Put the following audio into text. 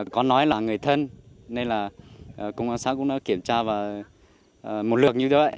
có nói là người thân nên là công an xã cũng đã kiểm tra vào một lược như vậy